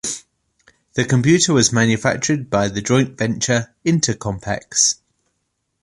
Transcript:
The computer was manufactured by the joint venture "InterCompex".